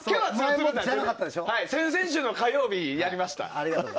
先々週の火曜日、やりました。